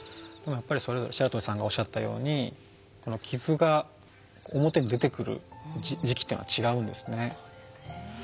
でも、白鳥さんがおっしゃったように傷が表に出てくる時期は違うんですね。